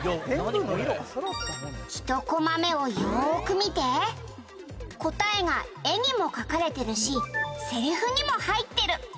「１コマ目をよーく見て」「答えが絵にも描かれてるしセリフにも入ってる」